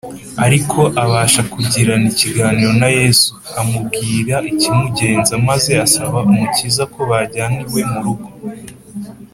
; ariko abasha kugirana ikiganiro na Yesu, amubwira ikimugenza, maze asaba Umukiza ko bajyana iwe mu rugo.